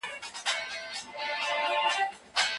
هلک په ستوني کې د درد غږ وکړ.